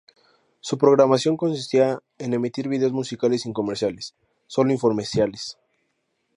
Su programación consistía en emitir videos musicales sin comerciales, solo infomerciales.